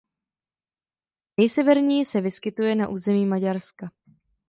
Nejseverněji se vyskytuje na území Maďarska.